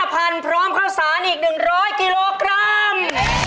๑๕๐๐๐บาทพร้อมเข้าสารอีก๑๐๐กิโลกรัม